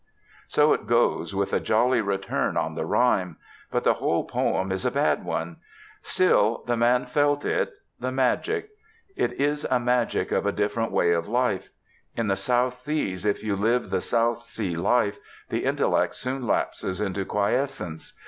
So it goes, with a jolly return on the rhyme. But the whole poem is a bad one. Still, the man felt it, the magic. It is a magic of a different way of life. In the South Seas, if you live the South Sea life, the intellect soon lapses into quiescence.